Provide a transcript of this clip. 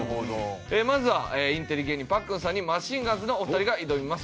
まずはインテリ芸人パックンさんにマシンガンズのお二人が挑みます。